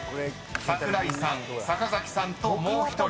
［桜井さん坂崎さんともう１人］